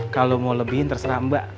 kalau mau lebihin terserah mbak